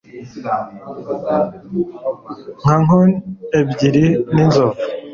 Nka nkoni ebyiri zinzovu